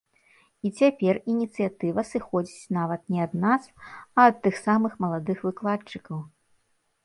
І цяпер ініцыятыва сыходзіць нават не ад нас, а ад тых самых маладых выкладчыкаў.